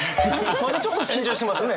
まだちょっと緊張してますね。